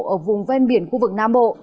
ở vùng ven biển khu vực nam bộ